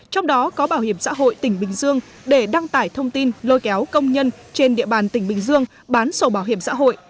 trong đó có bảo hiểm xã hội tỉnh bình dương để đăng tải thông tin lôi kéo công nhân trên địa bàn tỉnh bình dương bán sổ bảo hiểm xã hội